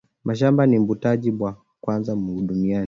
Mashamba ni butajiri bwa kwanza mu dunia